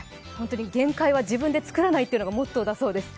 限界は自分で作らないというのがモットーだそうです。